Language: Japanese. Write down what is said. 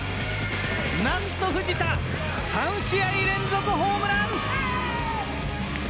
何と藤田３試合連続ホームラン！